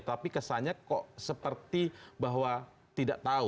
tapi kesannya kok seperti bahwa tidak tahu